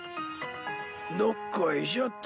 どっこいしょっと。